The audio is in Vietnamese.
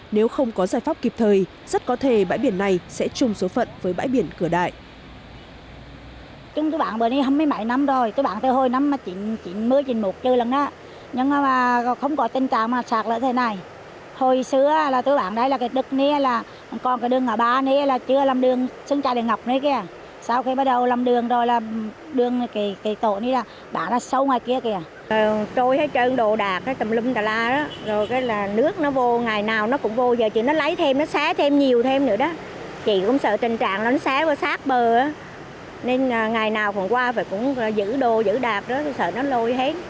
nếu không có giải pháp kịp thời rất có thể bãi biển này sẽ chung số phận với bãi biển cửa đại